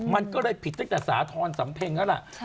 มันก็เลยผิดตั้งแต่สาทอลสัมเพง